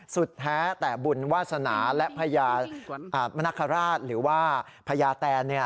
สุดแท้แต่บุญวาสนาและพญามนคราชหรือว่าพญาแตน